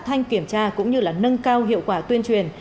thanh kiểm tra cũng như là nâng cao hiệu quả tuyên truyền